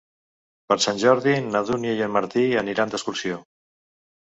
Per Sant Jordi na Dúnia i en Martí aniran d'excursió.